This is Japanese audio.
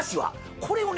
これをね